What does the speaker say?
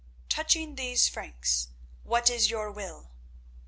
"Touching these Franks, what is your will?"